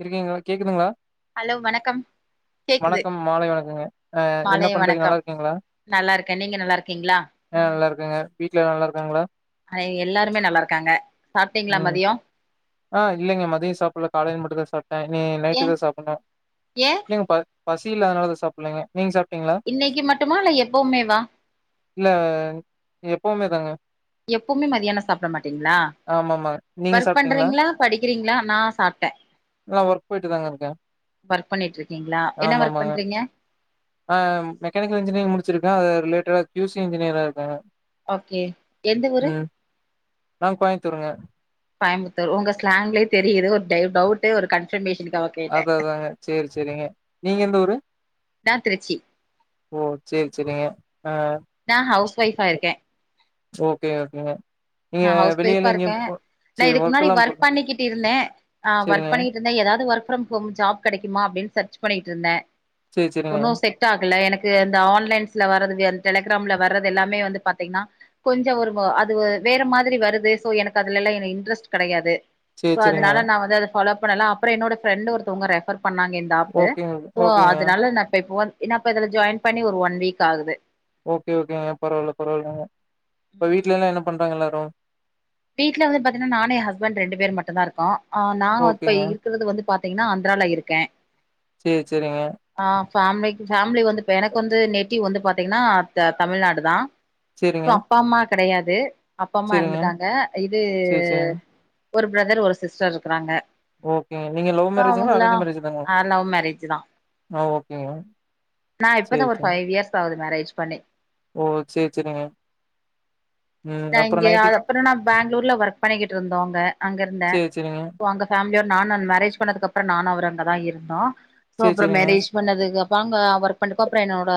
இருக்கீங்களா கேக்குதுங்களா ஹலோ வணக்கம் கேக்குது வணக்கம் மாலை வணக்குங்க ஆ என்ன மாலை பண்றீங்க நல்லா வணக்கம் இருக்கீங்களா நல்லா இருக்கே நீங்க நல்லா இருக்கீங்களா ஆ நல்லா இருக்காங்க வீட்ல எல்லா நல்லா இருக்காங்களா அ எல்லாருமே நல்லா இருக்காங்க சாப்ட்டீங்களா ம். மதியோ ஆ இல்லைங்க மதியோ சாப்பல்ல காலைல மட்டோ தா சாப்ட்டே இனி ஏ நைட்டு தா சாப்பிடனு ஏ இல்லைங்க பசி இல்லாதனால சாப்பல்லைங்க நீங்க சா இன்னைக்கி மட்டுமா இல்ல எப்பவுமே வா இல்ல எப்பவுமே தாங்க எப்பவுமே மதியானோ சாப்பிட மாட்டீங்களா ஆமாமா. நீங்க ஒர்க் சாப்ட்டீங்களா? பண்றீங்களா அ படிக்கிறீங்களா நா சாப்பிட்டே நான் ஒர்க் போயிட்டு தாங்க இருக்கேன். ஒர்க் பண்ணிட்டு இருக்கீங்களா என்ன ஒர்க் ஆமாமாங்க. பண்றீங்க ஆ மெக்கானிக்கல் இன்ஜினியரிங் முடிச்சிருக்கே அது ரிலேட்டடா கியூ சி இன்ஜினியரா இருக்கே ஓகே எந்த ஊரு நான் கோயம்புத்தூருங்க. கோயம்புத்தூர் உங்க ஸ்லாங்க்லே தெரியுது ஒரு டை டவுட் ஒரு கன்பர்மேஷனுக்காக அதா அதாங்க செரி செரிங்க நீங்க எந்த ஊரு நா திருச்சி ஓ சேரி செரிங்க ஆ நா ஹவுஸ் ஒய்ஃபா இருக்கே ஓகே ஓகேங்க நா நீங்க ஹவுஸ் ஒய்பா வெளியலா இருக்கே எங்கேயும் போ நா சரி இதுக்கு முன்னாடி ஒர்க்கெல்லாம் போ ஒர்க் பண்ணிகிட்டு இருந்தே ஆ ஒர்க் சரிங்க பண்ணிட்டு இருந்த ஏதாவது ஒர்க் ஃப்ரம் ஹோம் ஜாப் கெடைக்குமா அப்டின்னு சர்ச் பண்ணிட்டு இருந்தே சரி சரிங்க ஒன்னோ செட் டாகல எனக்கு இந்த ஆன்லைன்ஸ்ல வரது அந்த டெலிகிராம்ல வரது எல்லாமே வந்து பாத்தீங்கன்னா கொஞ்சோ ஒரு அது வேற மாதிரி வருது சோ எனக்கு அதுல எல்லா எனக்கு இன்ட்ரெஸ்ட் கெடையாது சரி சோ சரிங்க அதனால நா வந்து அத ஃபாலோ பண்ணலா அப்பறோ என்னோட ஃரெண்டு ஒருத்தவங்க ரெஃபர் பண்ணாங்க இந்த ஆப்பு ஓகேங்க சோ ஓகேங்க அதனால நா இப்போன் என்ன இப்ப இதுல ஜாயின் பண்ணி ஒரு ஒன் வீக் ஆகுது ஓகே ஓகேங்க பரவாயில்ல பரவாயில்ல இப்ப வீட்டுல எல்லா என்ன பண்றாங்க எல்லாரு வீட்டுல வந்து பாத்தீங்கன்னா நானு எ ஹஸ்பண்ட் ரெண்டு பேர் மட்டுந்தா இருக்கோ அ நா இப்ப ஓகேங்க இருக்கறது வந்து பாத் தீங்கன்னா ஆந்திரால இருக்கே செரி செரிங்க ஆ ஃபேமிலி ஃபேமிலி வந்து இப்ப எனக்கு வந்து நெட்டிவ் வந்து பாத்தீங்கன்னா த தமிழ்நாடு தா செரிங்க அப்பா அம்மா கெடையாது அப்பா அம்மா எறந்துட்டாங்க இது சரி சரிங்க ஒரு பிரதர் ஒரு சிஸ்டர் இருக்கிறாங்க ஓகேங்க நீங்க லவ் மேரேஜ்ங்களா அரேஞ்ச் மேரேஜ் தாங்கா ஆ லவ் மேரேஜ்தா ஆ ஓகேங்க நா இப்ப சரி தா ஒரு சரி ஃபைவ் இயர்ஸ் ஆகுது மேரேஜ் பண்ணி ஓ சேரி செரிங்க நா இங்கே அது அப்புறோ நா பேங்ளூர்ல ஒர்க் பண்ணிக்கிட்டு இருந்தோ அங்க அங்க இருந்தே சரி சரிங்க போ அங்க ஃபேமிலியோட நான மேரேஜ் பண்ணதுக்கப்றோ நானு அவர் அங்க தா இருந்தோ சோ சரி அப்பறோ சரிங்க மேரேஜ் பண்ணதுக்கு வாங்க ஒர்க் பண்ணக்கு அப்புறம் என்னோட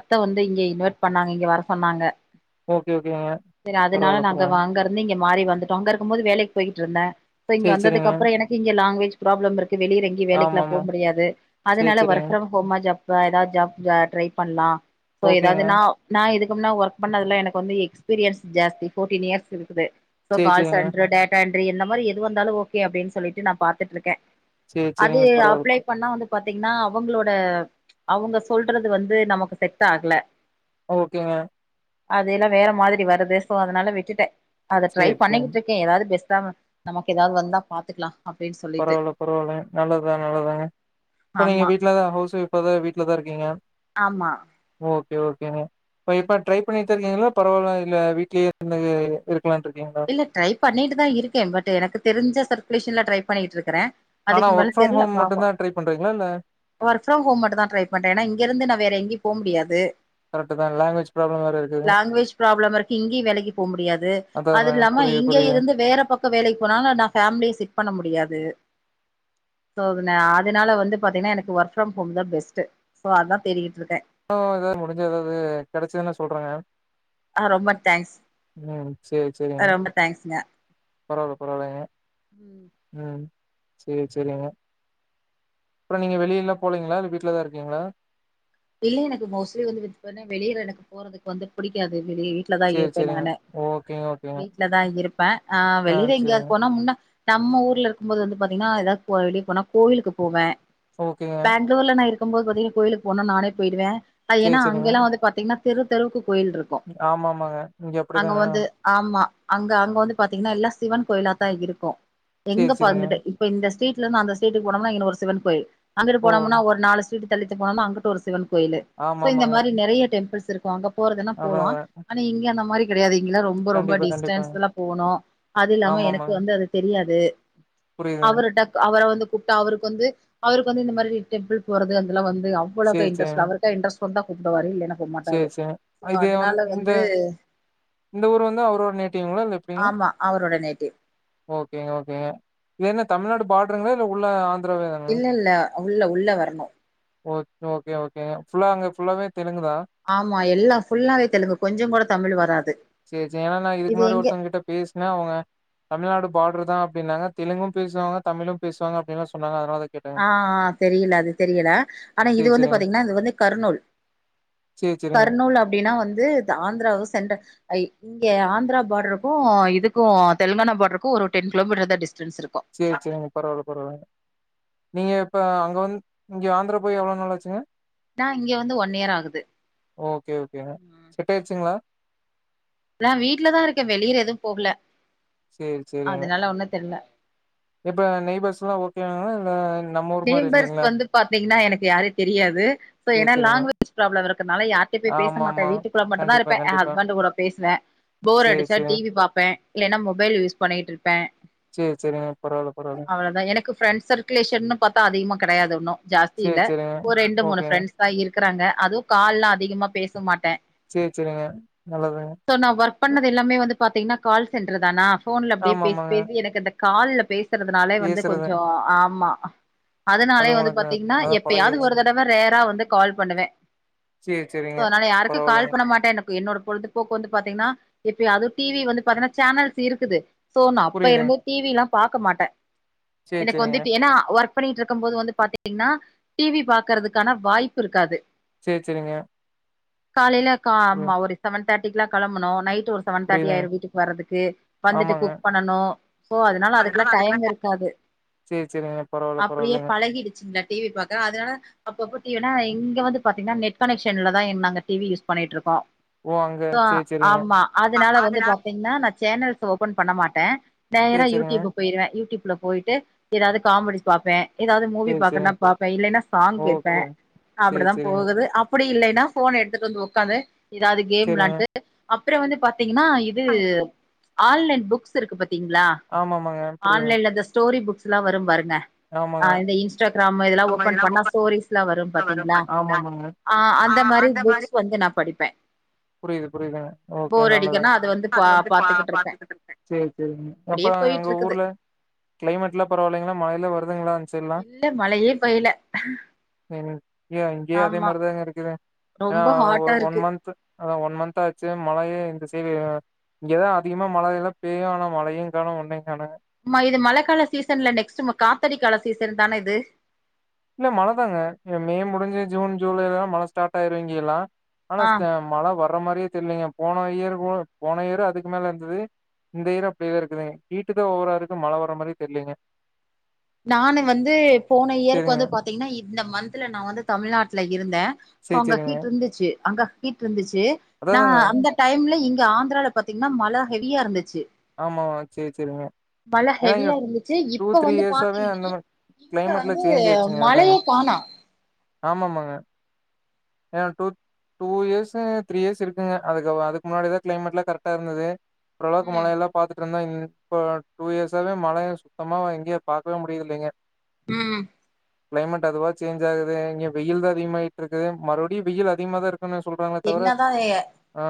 அத்த வந்து இங்க இன்வைட் பண்ணாங்க இங்க வர சொன்னாங்க ஓகே ஓகேங்க சரி அதனால பரவால்ல நாங்க பரவால்ல வா அங்க இருந்து இங்க மாறி வந்துட்டோ அங்க இருக்கும் போது வேலக்கி போய்கிட்ருந்தே சோ இங்க சரி சரிங்க வந்ததுக்கு அப்புறோ எனக்கு இங்க லாங்குவேஜ் ப்ராப்ளம் இருக்கு வெளியில எங்கியு வேலைக்குலா போ ஆமாமா முடியாது சரி அதனால சரிங்க ஒர்க் ஃப்ரம் பொம்ம ஜாப்பா எதாவ் ஜாப் ட்ரை பண்லா சோ ஓகேங்க எதாதுன்னா நா இதுக்கு முன்ன ஒர்க் பண்ணதுல எனக்கு வந்து எக்ஸ்பீரியன்ஸ் ஜாஸ்தி ஃபோர்டீன் இயர்ஸ் இருக்குது சோ சரி கால் சரிங்க சென்ட்ரு டேட்டா எண்ட்ரி இந்த மாரி எது வந்தாலு ஓகே அப்டின் சொல்லிட்டு நா பாத்துட்ருக்கே சரி அது சரிங்க பரவால்ல அப்ளை பண்ணா வந்து பாத்தீங்கன்னா அவுங்களோட அவுங்க சொல்றது வந்து நமக்கு செட் ஆகல ஓகேங்க அதுயெல்லா வேற மாதிரி வர்து சோ அதனால விட்டுட்டே அத ட்ரை சேரி, சேரிங்க. பண்ணிக்கிட்டு இருக் க்கே எதாது பெஸ்ட்டா வ நமக்கு எதாவ்து வந்தா பாத்துக்லா பரவால்ல பரவால்லங்க நல்லதுதா நல்லதுதாங்க இப்ப நீங்க ஆமா வீட்ல தா ஹவுஸ் ஓய்ஃபா தா வீட்லதா இருக்கீங்க ஆமா ஓகே ஓகேங்க இப்ப இப்ப ட்ரை பண்ணிகிட்டுதாருக்கீங்களா பரவால்ல இல்ல வீட்லேயே இருந்து இருக்கலாட்ருக்கீங்களா இல்ல ட்ரை பண்ணிட்டு தா இருக்கே பட் எனக்கு தெரிஞ்ச சர்குலேஷன்ல ட்ரை பண்ணிகிட்ருக்குறே ஆனா அதுக்கு ஒர்க் மேல ஃப்ரம் தெர்ல ஹோம் பாப்போ மட்டும் தான் ட்ரை பண்றீங்களா? இல்ல ஒர்க்ஃப்ரம் ஹோம் மட்டு தா ட்ரை பண்றே ஏனா இங்கேருந்து நா வேற எங்கேயு போ முடியாது கரெட்டு தா லங்வேஜ் ப்ராளம் வேற இருக்கு லாங்குவேஜ் ப்ராப்ளம் இருக்கு இங்கயு வேலக்கி போ முடியாது அதான், அதாங்க. அதுல்லாம புரியுது, இங்க புரியுது. இருந்து வேற பக்க வேலைக்கு போனாலு நா ஃபேமிலி சிப்ட் பண்ண முடியாது சோ அதனா அதனால வந்து பாத்தீங்கன்னா எனக்கு ஒர்க் ஃப்ரம் ஹோம் தா பெஸ்ட்டு சோ அதா தேடிகிட்ருக்கே சோ எதாவது முடிஞ்சு ஏதாது கெடைச்சதுன்னா சொல்றேங்க ஆ ரொம்ப தேங்க்ஸ் ம் சேரி செரிங்க ரொம்ப தேங்க்ஸ்ங்க பரவால்ல பரவால்லங்க ம் ம் சேரி சேரிங்க அப்றோ நீங்க வெளிய எல்லா போலங்லா இல்ல வீட்ல தா இருக்கீங்ளா இல்ல எனக்கு மோஸ்ட்லி வந்து வி வெளியில எனக்கு போறதுக்கு வந்து புடிக்காது வெளியே வீட்ல தா சேரி, இருப்பே சேரிங்க. நானு ஓகேங்க, ஓகேங்க. வீட்லதா இருப்பே ஆ வெளியில எங்கயாவ்து போனா முன்னா நம்ம ஊர்ல இருக்கும்போது வந்து பாத்தீங்கன்னா எதாவ்து போ வெளியே போனா கோயிலுக்கு போவே ஓகேங்க எங்க ஊர்ல நா இருக்கும் போது பாத்தீங்க கோயிலுக்கு போனா நானே போயிடுவே அது சேரி ஏனா சேரிங்க அங்கல்லா வந்து பாத்தீங்ன்னா தெரு தெருவுக்கு கோயில்ருக்கு ஆமா ஆமாங்க இங்க அப்டிதாங்க ஆமா அங்க அங்க வந்து பாத்தீங்ன்னா எல்லா சிவன் கோயிலாதா இருக்கூ எங்க சேரி சேரிங்க பாங்கட்டு இப்ப இந்த ஸ்ரீட்லருந்து அந்த ஸ்ரீரீட்க்கு போனம்னா இங்கன ஒரு சிவன் கோயில் அங்கட்டு ஓ போனம்னா ஒரு நாலு இங்கிட்டு தள்ளித்த போனம்னா அங்கிட்டு ஒரு சிவன் கோயிலு ஆமா இந்த ஸோ ஆமாங்க மாரி நறைய டெம்பிள்ஸ் இருக்கூ அங்க போறதுன்னா அதா போவா அதா ஆனா இங்க அந்த மாரி கெடையாது இங்கனா ரொம்ப ரொம்ப கண்டிப்பா டிஸ்டன்ஸ் கண்டிப்பாங்க எல்லா போணு அது இல்லாம ஆமா எனக்கு ஆமாங்க வந்து அது தெரியாது புரியுதுங்க அவரு டக் அவர வந்து கூப்ட்டா அவருக்கு வந்து அவருக்கு வந்து இந்த மாரி டெம்பிள் போறது அதெல்லா வந்து வ்ளோக்கா சேரி இன்ட்ரஸ்ட் சேரிங்க இல்ல அவருக்கா இன்ட்ரஸ்ட் வந்தா கூப்டுவாரு இல்லேனா போ மாட்டாரு சேரி சேரிங்க சோ இது அதுனால இந்த வந்து இந்த ஊர் வந்து அவரோட நேட்டீவ்ங்ளா இல்ல எப்டி ஆமா அவரோட நேட்டிவ் ஓகேங்க ஓகேங்க இது என்ன தமிழ்நாடு பாட்ருங்ளா இல்ல உள்ள ஆ இல்லல்ல உள்ள உள்ள வரணு ஓக் ஓகே ஓகே ஃபுல்லா அங்க ஃபுல்லாவே தெலுங்குதா ஆமா எல்லா ஃபுல்லாவே தெலுங்கு கொஞ்சங் கூட தமிழு வராது இது எங்கெ பேசஸ்ன அவ்ங்க தமிழ்நாடு பாட்ருதா அப்டின்னாங்கா தெலுங்கு பேசுவாங்க தமிழு பேசுவாங்க அப்டின்னா சொன்னாங்க அதனாலதா ஆ ஆ தெரிய்ல அது தெரியல ஆனா இது சேரி வந்து சேரிங்க பாத்தீங்கன்னா இது வந்து கருநூல் சேரி சேரிங்க கருநூல் அப்டின்னா வந்து த ஆந்த்ராவு சென்ட ஐ இங்கே ஆந்த்ரா பாட்ருக்கு இதுக்கு தெலுங்கானா பாட்ருக்கு ஒரு டென் கிலோமீட்டர்தா டிஸ்டன்ஸ் இருக்கு சேரி சேரிங்க பரவால்ல பரவால்ல நீங்க இப்ப அங்க வந் இங்க ஆந்த்ரா போய் எவ்ளோ நாள் ஆச்சுங்க நா இங்க வந்து ஒன் இயர் ஆகுது ஓகே ஓகேங்க செட் ஆயிட்ச்சுங்களா நா வீட்ல தா இருக்கே வெளியில எதும் போகல சேரி சேரிங்க அதுனால ஒண்ணு தெர்ல இப்ப நெய்பர்ஸ்லா ஓகேங்ளா இல்ல நம்ம ஊர் மாரி நெய்பர்ஸ் இல்லைங்களா வந்து பாத்தீங்கன்னா எனக்கு யாரையு தெரியாது சோ சேரி ஏன்னா சேரிங்க லாங்வேஜ் ப்ராப்ளம் இருக்கனால யார்ட்டயு போய் பேச ஆமா மாட்ட ஆமா வீட்டுக்குள்ள மட்டுந்தா கண்டிப்பா இருப்பே ஏ கண்டிப்பா ஹஸ்பண்டு கூட பேசுவே போர் சேரி அடிச்சா சேரிங்க டீவி பாப்பே இல்லைன்னா மொபைல் யூஸ் பண்ணியிட்ருப்ப சேரி சேரிங்க பரவால்ல பரவால்ல அவ்ளோதா எனக்கு ஃப்ரெண்ட்ஸ் சர்குலேஷன்னு பாத்தா அதிகமா கடையாது ஒன்னு ஜாஸ்தி சேரி இல்ல சேரிங்க ஒரு ரெண்டு மூணு ஓகேங்க ஃப்ரண்ட்ஸ் தா இருக்குறாங்க அதுவ கால்லா அதிகமா பேச மாட்ட சேர் சேரிங்க நல்லதுங் சோ நா ஒர்க் பண்ணது எல்லாமே வந்து பாத்தீங்கன்னா கால் சென்டர் தானா ஃபோன்ல அப்டியே ஆமா பேசி ஆமாங்க பேசி எனக்கு அந்த கால்ல பேசுறதுனாலே வந்து பேசுறது கொஞ்சொ ஆமா அது அதனாலயே வந்து உங்களுக்கு பாத்தீங்னா அதா எப்பயாவ்து பழகிருச்சு ஒரு தடவ ரேரா வந்து கால் பண்ணுவே சேரி சோ சேரிங்க அதுனால யாருக்கு கால் பரவால்லைங்க பண்ண மாட்டே என்ன கு என்னோட பொழுதுபோக்கு வந்து பாத்தீங்கனா எப்பயாது டீவி வந்து பாத்தீங்னா சேனல்ஸ் இருக்குது சோ நா அப்ப புரியுதுங்க இருந்தே டீவில்லா பாக்க மாட்ட சேரி எனக்கு சேரிங்க வந்துட்டு ஏன்னா ஒர்க் க் பண்ணிட்ருக்கம் போது வந்து பாத்துட்டீங்னா டீவி பாக்குறதுக்கான வாய்ப்பு இருக்காது சேர் சேரிங்க காலைல கா புரி ம ஒரு செவன் தேட்டிக்கெல்லா களம்பணு நைட்டு ஒரு செவன் தேட்டி புரியுதுங்க ஆய்ரு வீட்டுக்கு வர்றதுக்கு வந்துட்டு ஆமாங்க குக் பண்ணனு சோ அதுனால அதுக்குல்லா டைம் இருக்காது சேர் சேரிங்க பரவால்ல அப்டியே பரவால்லைங்க பழகிடுச்சுங்களா டீவி பாக்குற அதுனால அப்பப்போ [unintelligible] இங்க வந்து பாத்தீங்னா நெட் கனெக்ஷன்லதா நாங்க டீவி யூஸ் பண்ணிட்ருக்கோ ஓ அங்க சேரி சேரிங்க ஆமா அ அதுனால வந்து அதனால பாத்தீங்கன்னா நா சேனல்ஸ் ஓப்பன் பண்ண மாட்ட நேரா சேரி சேரிங்க யூட்யூப போய்ருவ யூட்யூப்ல போயிட்டு ஏதாவ்து காமெடி பாப்பே ஏதாவ்து மூவி சேரி பாக்கற்னா சேரிங்க பாப்ப இல்லன்னா சாங் கேப்ப ஓகே சேரி அப்டித்தா சேரிங்க போகுது அப் டி இல்லேன்னா ஃபோன எட்த்துட்டு வந்து உக்காந்து ஏதாவ்து கேம் சேரிங்க விளாண்ட்டு அப்றொ வந்து பாத் தீங்கன்னா இது ஆன்லைன் புக்ஸ் இருக்கு பாத்தீங்ளா ஆமா ஆமாங்க புரியுங்க ஆன்லைன்ல அந்த ஸ்டோரி புக்ஸ்லா வரும் பாருங்க ஆமாங்க ஆ இந்த இன்ஸ்ட்டாக்ராமு இதெல்லா ஆமா ஓப்பன் பண்ணா ஒப்பந்தமா ஸ்டோரிஸ் ல வரும் வரு பாத்தீங்ளா பாத்தீங்களா ஆ அந்த மாறி புக்ஸ் வந்து நா படிப்பே புரியுது புரியுதுங்க ஓகே போர் நல்லது அடிக்குன்னா அது வந்து பா பாத்துக்கிட்டு இருப்பே பாத்துட்டு இருக்கே சேரி சேரி இப்படியே அப்பறம் போயிட்டு உங்க இருக்குது ஊர்ல கிளைமெட்லா பரவால்லிங்ளா மழையெல்லா வருதுங்ளா இல்ல மழையே பெய்ல இங்கயே அதே மாறிதான்க இருக்குது ஏனா ரொம்ப ஹாட்டா ஒரு ஒன் இருக்கு மந்த்து அதா ஒன் மந்த் ஆச்சு மழையே இந்த சைடு இங்கதா அதிகமா மழையெல்லா பெய்யோ ஆனா மழையு காணோ ஒன்னு காணோ இது மழக்கால சீசன்ல நெக்ஸ்ட் காத்தாடிக் கால சீசன் தான இது இல்ல மழ தாங்க இங்க மே முடிஞ்சு ஜூன் ஜூலைல்லா மழ ஸ்டார்ட் ஆயிரு இங்கியெல்லா ஆனா ஆ ஸ்டா மழ வர்ற மாரியே தெரியலங்க போன இயர் போ போன இயர் அதுக்கு மேல இருந்தது இந்த இயரு அப்டியே இருக்குங்க ஹீட்டு தா ஓவரா இருக்கு மழ வர மாரியே தெர்லிங்க நானு வந்து போன இயருக்கு சேரிங்க வந்து பாத்தீங்கன்னா இந்த மந்த்ல நா வந்து தமிழ்நாட்டுல இருந்த சோ சேரி அங்க சேரிங்க ஹீட்டு இருந்துச்சு அங்க ஹுட்டு இருந்துச்சு நா அதாதாங்க அந்த டைம்ல இங்க ஆந்திரால பாத்தீங்ன்னா மழ ஹெவியா இருந்துச்சு ஆமா சேரி சேரிங்க மழ ஏன்னா இங்க ஹெவியா இருந்துச்சு டூ இப்ப த்ரீ வந்து பா இயர்ஸாவே அந்த த்திங்கனா மாரி இப்ப கிளைமேட்ல வந்து சேஞ்ச் மழையே காணோ ஆமாமாங்க [unintelligible] டூ இயர்ஸ்ஸு த்ரீ இயர்ஸ் இருக்குங்க அதுக்கு அதுக்கு முன்னாடி தா கிளைமேட்லா கரெக்டா இருந்தது ஓரளவுக்கு ம் மழயெல்லா பாத்துட்டு இருந்த இப்ப டூ இயர்ஸாவே மழைய சுத்தமா இங்கயே பாக்கவே முடியதுல்லிங்க ம் கிளைமேட் அதுவா சேஞ்ச் ஆகுது இங்க வெயில் தா அதிகமாயிட்டு இருக்குது மறுபடியு வெயில் அதிகமா தா இருக்கு [unintelligible] சொல்றாங்ளே தவிர என்னதா அ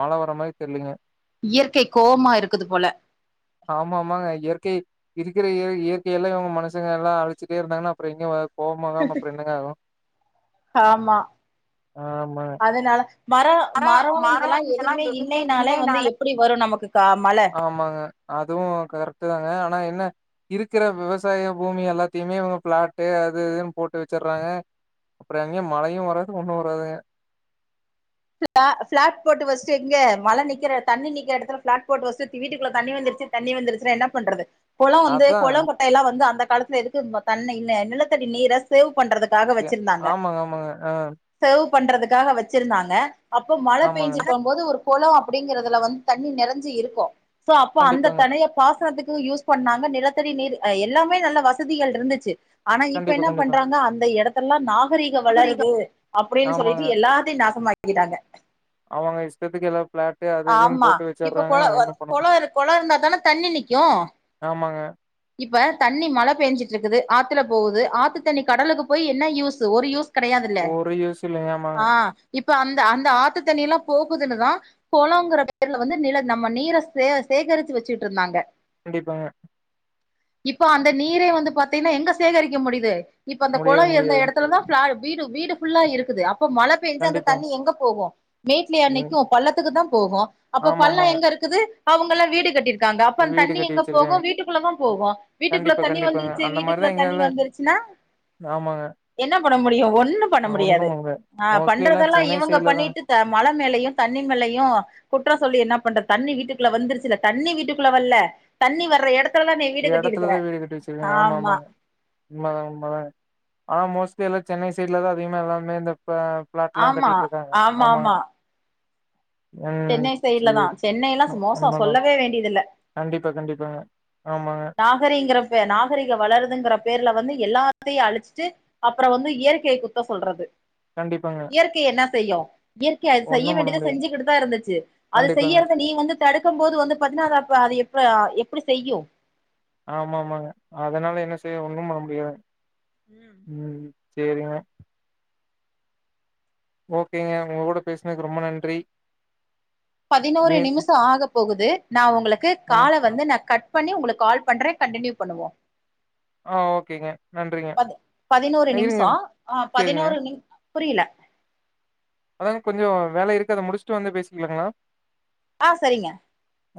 மழ வர மாரி தெர்லீங்க இயற்கை கோவமா இருக்குது போல ஆமா ஆமாங்க இயற்கை இருக்கிற இய இயற்கைய எல்லா இவங்க மனசுங்க எல்லா அழிச்சிட்டே இருந்தாங்கன்னா அப்றோ எங்க கோவ்மாதா அப்றோ என்னங்க ஆகோ ஆமா ஆமா அதனால மரோ மரோ இதெல்லா எதுவுமே இல்லைனாலே வந்து எப்டி வரு நமக்கு கா மழ அதுவோ கரெக்ட்டு தாங்க ஆனா என்ன இருக்குற விவசாய பூமி எல்லாத்தியுமே இவங்க பிளாட்டு அது இதுன்னு போட்டு வெச்சிறாங்க அப்றோ எங்க மழையு வராது ஒன்னு வராதுங்க ஃபிளா ஃபிளாட் போட்டு வெஸ்ட்டு எங்க மழ நிக்கிற தண்ணி நிக்கிற எடத்துல ஃபிளாட் போட்டு வெஸ்ட்டு இங்க வீட்டுக்குள்ள தண்ணி வந்துருச்சின் தண்ணி வந்துருச்சுன்னா என்னாப் பண்றது கொளோ வந்து அதான் கொளோ குட்ட எல்லா வந்து அந்த காலத்துல எதுக்கு தெரியுமா தண்ண இல்ல நிலத்தடி நீர சேவ் பண்றதுக்கு காக சே வெச்சிருந்தாங்க ஆமாங்க, ஆமாங்க. ஆ சேவ் பண்றதுக்காக வெச்சிருந்தாங்க அப்போ மழ ஆமாங்க. ஆனா பெய்ஞ்சிருக்கு போது ஒரு கொளோ அப்டிங்குறதுல வந்து தண்ணி நெறஞ்சி இருக்கோ சோ அப்போ அந்த கண்டிப்பாங்க. தணயப் பாசனத்துக்கு யூஸ் பண்ணாங்க நிலத்தடி நீர் எல்லாமே நல்ல வசதிகள் இருந்துச்சி ஆனா இப்ப கண்டிப்பா, என்ன கண்டிப்பா. பண்றாங்க அந்த எடத் தல்லா நாகரீக அப்ப நீங்க வளருது அப்டின்னு சொல்லிட்டு ஆமாங்க. எல்லாத்தியு நாசமாக்கிட்டாங்க ஆவங்க இஷ்டத்துக்கு எல்லா பிளாட் ஆமா இப்போ கொளோ கொளோ முடியாது. கொளோ இருந்தா தான தண்ணி நிக்கு ஆமாங்க இப்ப தண்ணி மழ பெஞ்சிட்டு இருக்குது ஆத்துல போகுது ஆத்து தண்ணி கடலுக்கு போய் என்ன யூஸ்ஸு ஒரு யூஸ்ஸு கெடையாதுல்ல ஒரு யூஸ் இல்லைங்க. ஆமாங்க. அ இப்ப அந்த அந்த ஆத்து தண்ணி எல்லா போகுதுன்னுதா கொளோங்கிற பேர்ல வந்து நில நம்ம நீர சே சேகரிச்சு வச்சிட்டு இருந்தாங்க கண்டிப்பாங்க இப்ப அந்த நீரே வந்து பாத்தீங்கன்னா எங்க சேகரிக்க முடியுது இப்ப அந்த கொளோ முடியாது, இருந்த முடியாது. எடத்துலதா ஃபிளா வீடு வீடு ஃபுல்லா இருக்குது அப்ப மழ பெஞ்சா அந்த கண்டிப்பாங்க. தண்ணி எங்க போகு மேட்லயா ம். நிக்கு பள்ளத்துக்கு தா போகு அப்ப பள்ளோ ஆமாமாங்க. எங்க இருக்குது அவுங்கல்லா வீடு கட்டி ருக்காங்க அப்ப வீடு தண்ணி கட்டி எங்க போகு வச்சிருக்காங்க. வீட்டுக் குள்ள தா போகு வீட்டுக்குள்ள கண்டிப்பா, தண்ணி கண்டிப்பாங்க. வந்துருச்சு அந்த மாரி வீட்டுக்குள்ள தான் தண்ணி எங்களால வந்துருச்சுன்னா ஆமாங்க. என்ன பண்ண முடியு ஒண்ணு பண்ண முடியாது ஒண்ணும் அங்க ஆ மோஸ்ட்லி எல்லா பண்றதெல்லா சென்னை இவுங்க சைட்ல தா பண்ணிட்டு [unintelligible] மழ மேலையு தண்ணி மேலையு குற்ற சொல்லி என்ன பண்ற தண்ணி வீட்டுகுள்ள வந்துருச்சுல தண்ணி வீட்டுக்குள்ள வல்ல தண்ணி வர்ற எடத்த எடத்துலதா வீடு கட்டி வச்சிருக்காங்க ஆமா ஆமாங்க உண்மதா உண்ம தாங்க ஆனா மோஸ்ட்லி எல்லா சென்னை சைட்ல தா அதிகமா எல்லாமே இந்த பிளாட்லா ஆமா கட்டிட்டு இருக்காங்க ஆமா ஆமாங்க ஆமா ம் சென்னை சைடல தா சேரி சென்னை எல்லா மோச உண்மதா சொல்லவே வேண்டியது இல்ல கண்டிப்பா கண்டிப்பாங்க ஆமாங்க நாகரிங்க பே நாகரிக வளருதுங்கற பேருல வந்து எல்லாத்தையு அழிச்சுட்டு அப்ற வந்து இயற்கைய குத்த சொல்றது கண்டிப்பாங்க இயற்கை என்ன செய்யும் இயற்கையது செய்ய ஒண்ணும் பண்ண வேண்டியத முடியாது செஞ்சுக்கிட்டு தா இருந்துச்சு அது கண்டிப்பாங்க செய்றத நீ வந்து தடுக்கும் போது வந்து பாத்தீன்னா அத அப்ப அது எப்ப எப்டி செய்யு ஆமா ஆமாங்க அதனால என்ன செய்ய ஒண்ணு பண்ண முடியாதுங்க ம் ம் செரிங்க ஓகேங்க உங்க கூட பேசுனதுக்கு ரொம்ப நன்றி பதினோரு மீ நிமிஷ ஆக போகுது நா உங்களுக்கு ஆ கால வந்து நா கட் பண்ணி உங்களுக்கு கால் பண்ற கண்டடினியூ பண்ணுவோ ஆ ஓகேங்க நன்றிங்க பது பதினோரு நிமிஷ இருங்க ஆ சேரிங்க பதினோரு நி புரில அதாங்க கொஞ்ச வேல இருக்கு அத முடிச்சுட்டு வந்து பேசிக்கலாங்களா ஆ செரிங்க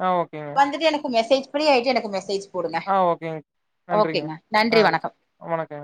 ஆ ஓகேங்க வந்துட்டு எனக்கு மெசேஜ் பிரீ ஆயிட்டு எனக்கு மெசேஜ் போடுங்க ஆ ஓகேங்க நன்றிங்க ஓகேங்க ஆ நன்றி வணக்கம் வணக்கங்க